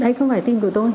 đây không phải tin của tôi